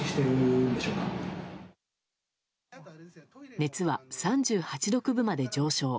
熱は３８度９分まで上昇。